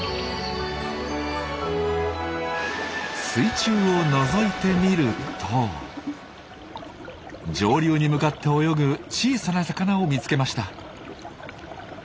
水中をのぞいてみると上流に向かって泳ぐ小さな魚を見つけました。